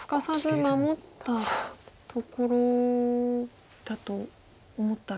守ったところだと思ったら。